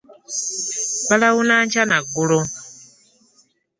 Balawuna nkya na ggulo.